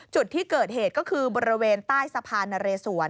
จุดที่เกิดเหตุก็คือบริเวณใต้สะพานนเรสวน